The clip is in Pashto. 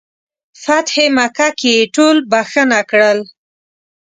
فتح مکه کې یې ټول بخښنه کړل.